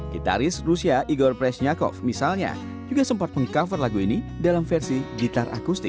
gitaris rusia igor presnyakov misalnya juga sempat meng cover lagu ini dalam versi gitar akustik